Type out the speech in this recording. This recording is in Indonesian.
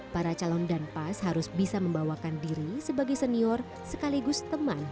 para calon dan pas harus bisa membawakan diri sebagai senior sekaligus teman